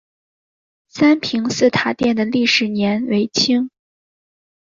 三平寺塔殿的历史年代为清。